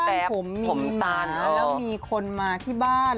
ถ้าบ้านผมมีหมาแล้วมีคนมาที่บ้าน